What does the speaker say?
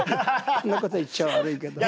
こんなこと言っちゃ悪いけど。